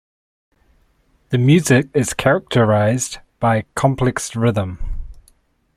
The music is characterised by complex rhythm.